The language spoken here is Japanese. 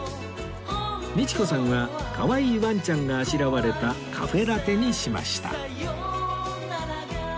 道子さんはかわいいワンちゃんがあしらわれたカフェラテにしました